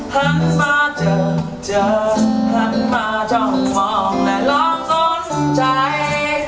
หันมาเจอหันมาจ้องมองและลองสนใจ